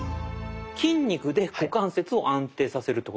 筋肉で股関節を安定させるってことですか？